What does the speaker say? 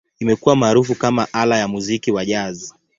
Imekuwa maarufu kama ala ya muziki wa Jazz.